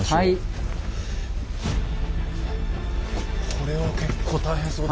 これは結構大変そうだ。